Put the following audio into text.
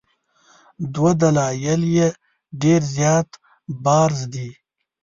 دوه دلایل یې ډېر زیات بارز دي.